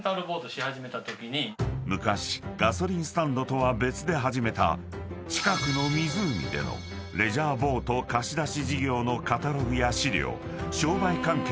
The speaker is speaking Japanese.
［昔ガソリンスタンドとは別で始めた近くの湖でのレジャーボート貸し出し事業のカタログや資料商売関係の物が多数］